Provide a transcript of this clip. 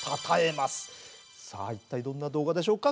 さあ一体どんな動画でしょうか。